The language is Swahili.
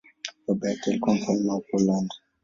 Baba yake alikuwa mfalme wa Poland.